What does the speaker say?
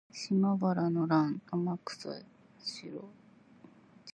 島原の乱の天草四郎